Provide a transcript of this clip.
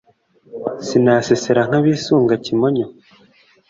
sinasesera nk’abisunga kimonyo